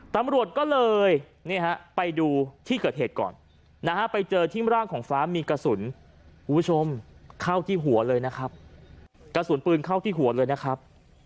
ตำรวจก็เลยไปดูที่เกิดเหตุก่อนนะฮะไปเจอที่ร่างของฟ้ามีกระสุนคุณผู้ชมเข้าที่หัวเลยนะครับกระสุนปืนเข้าที่หัวเลยนะครับ